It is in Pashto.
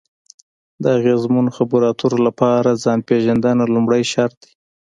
د اغیزمنو خبرو اترو لپاره ځان پېژندنه لومړی شرط دی.